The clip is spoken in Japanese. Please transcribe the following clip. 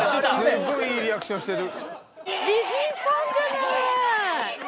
すごいいいリアクションしてる。